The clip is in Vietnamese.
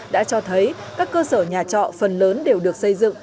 đã cho thấy các cơ sở nhà trọ phần lớn đều được xây dựng